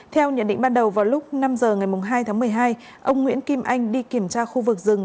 theo nhận định ban đầu vào lúc năm h ngày hai tháng một mươi hai ông nguyễn kim anh đi kiểm tra khu vực rừng